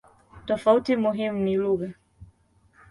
Tofauti muhimu ni lugha.